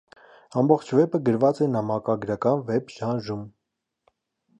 Ամբողջ վեպը գրված է նամակագրական վեպ ժանրում։